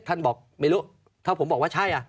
ท่านบอกไม่รู้ถ้าผมบอกว่าใช่